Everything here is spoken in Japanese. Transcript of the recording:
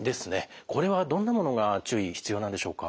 これはどんなものが注意必要なんでしょうか？